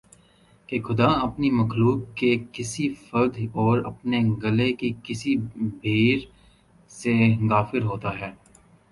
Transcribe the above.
کہ خدا اپنی مخلوق کے کسی فرد اور اپنے گلے کی کسی بھیڑ سے غافل ہوتا ہے